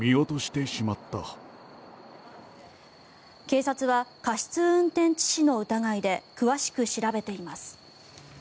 警察は過失運転致死の疑いで詳しく調べています。